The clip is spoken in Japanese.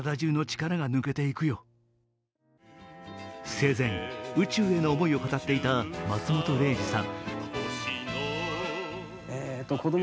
生前、宇宙への思いを語っていた松本零士さん。